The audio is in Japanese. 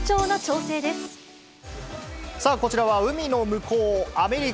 さあ、こちらは海の向こう、アメリカ。